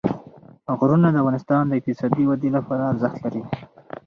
غرونه د افغانستان د اقتصادي ودې لپاره ارزښت لري.